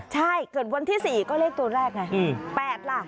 ใช่เกิดวันที่๔ก็เลขตัวแรกไง๘ล่ะ